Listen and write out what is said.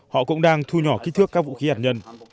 họ cũng đang thu nhỏ kích thước các vũ khí hạt nhân